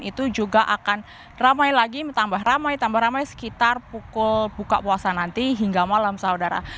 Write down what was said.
itu juga akan ramai lagi tambah ramai tambah ramai sekitar pukul buka puasa nanti hingga malam saudara